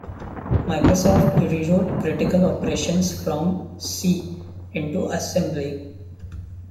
Microsoft rewrote critical operations from C into assembly.